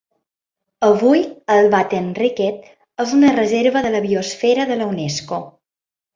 Avui el Vattenriket és una reserva de la biosfera de la Unesco.